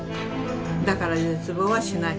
だから絶望はしない。